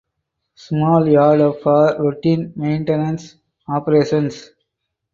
Small yard for routine maintenance operations.